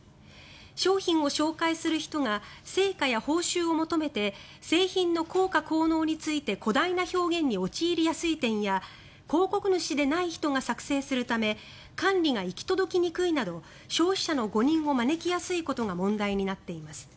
商品を紹介する人が成果や報酬を求めて製品の効果・効能について誇大な表現に陥りやすい点や広告主でない人が作成するため管理が行き届きにくいなど消費者の誤認を招きやすいことが問題になっています。